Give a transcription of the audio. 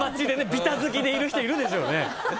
ビタ付きでいる人いるでしょうね。